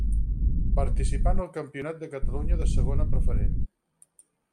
Participà en el Campionat de Catalunya de Segona Preferent.